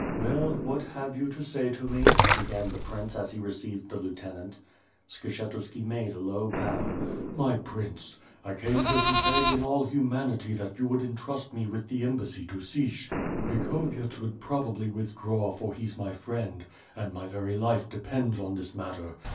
"Well, what have you to say to me?" began the Prince as he received the lieutenant. Skshetuski made a low bow. "My Prince! I came here to beg in all humanity that you would entrust me with the embassy to Sich. Bikhovyets would probably withdraw, for he's my friend; and my very life depends on this matter.